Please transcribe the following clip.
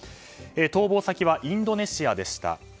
逃亡先はインドネシアでした。